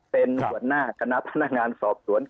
เป็นหัวหน้าคณะพนักงานสอบสวน